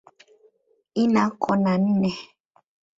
Ina kona nne.